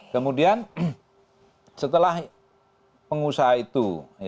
kemudian setelah pengusaha itu